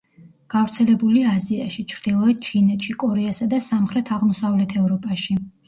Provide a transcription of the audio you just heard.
გავრცელებულია აზიაში, ჩრდილოეთ ჩინეთში, კორეასა და სამხრეთ-აღმოსავლეთ ევროპაში.